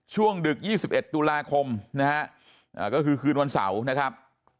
ดึก๒๑ตุลาคมนะฮะก็คือคืนวันเสาร์นะครับ